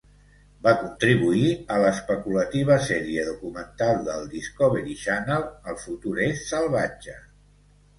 Va contribuir a l'especulativa sèrie documental del Discovery Channel "El futur és salvatge".